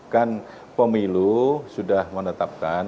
kan pemilu sudah menetapkan